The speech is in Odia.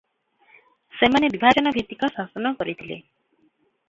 ସେମାନେ ବିଭାଜନଭିତ୍ତିକ ଶାସନ କରିଥିଲେ ।